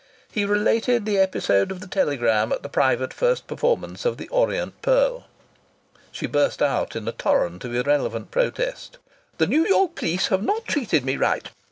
He related the episode of the telegram at the private first performance of "The Orient Pearl." She burst out in a torrent of irrelevant protest: "The New York police have not treated me right.